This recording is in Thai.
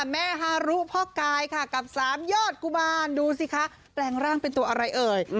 ฮารุพ่อกายค่ะกับสามยอดกุมารดูสิคะแปลงร่างเป็นตัวอะไรเอ่ย